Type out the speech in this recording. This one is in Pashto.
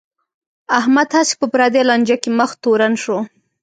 احمد هسې په پردی لانجه کې مخ تورن شو.